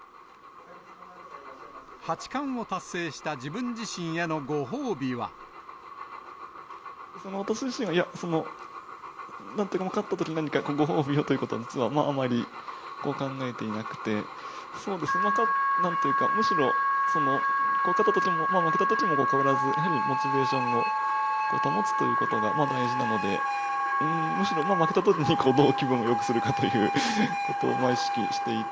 八冠を達成した自分自身への私自身はなんというか、勝ったときに何かご褒美をということは、実はあまり考えていなくて、なんというか、むしろ勝ったときも負けたときも変わらず、やはりモチベーションを保つということが大事なので、むしろ負けたときに、どう気分をよくするかということを意識していて。